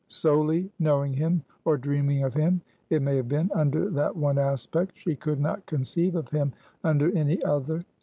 Solely knowing him or dreaming of him, it may have been under that one aspect, she could not conceive of him under any other.